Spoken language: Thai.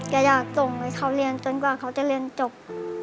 อยากส่งให้เขาเรียนจนกว่าเขาจะเรียนจบ